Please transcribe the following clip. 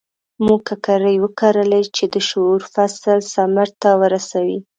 موږ ککرې وکرلې چې د شعور فصل ثمر ته ورسوي.